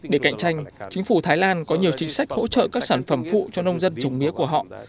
để cạnh tranh chính phủ thái lan có nhiều chính sách hỗ trợ các sản phẩm phụ cho nông dân chủng mía của họ